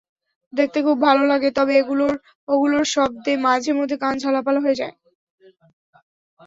দেখতে খুব ভালো লাগে, তবে ওগুলোর শব্দে মাঝেমধ্যে কান ঝালাপালা হয়ে যায়।